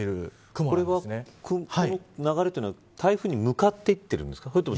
この流れというのは、台風に向かっていってるんですか。